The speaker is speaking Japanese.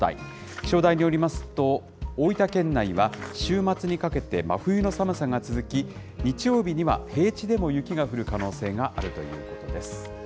気象台によりますと、大分県内は週末にかけて、真冬の寒さが続き、日曜日には平地でも雪が降る可能性があるということです。